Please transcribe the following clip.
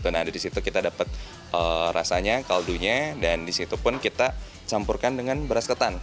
nah dari situ kita dapat rasanya kaldunya dan di situ pun kita campurkan dengan beras ketan